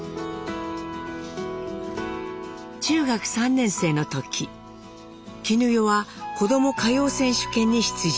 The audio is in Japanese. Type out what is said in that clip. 中学３年生の時絹代は「こども歌謡選手権」に出場。